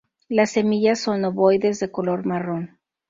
Las semillas son obovoides de color marrón.